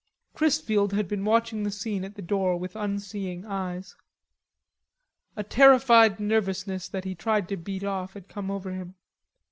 Chrisfield had been watching the scene at the door with unseeing eyes. A terrified nervousness that he tried to beat off had come over him.